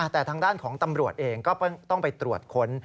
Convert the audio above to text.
แต่ทางด้านของตำรวจเองก็ต้องไปตรวจค้น